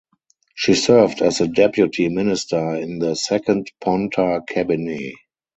She served as the Deputy Minister in the Second Ponta cabinet.